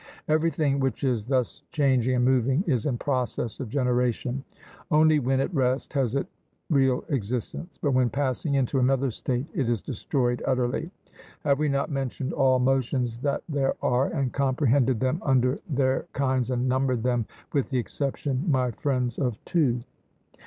Everything which is thus changing and moving is in process of generation; only when at rest has it real existence, but when passing into another state it is destroyed utterly. Have we not mentioned all motions that there are, and comprehended them under their kinds and numbered them with the exception, my friends, of two?